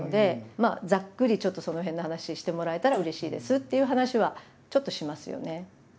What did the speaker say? まあざっくりちょっとその辺の話してもらえたらうれしいですっていう話はちょっとしますよね。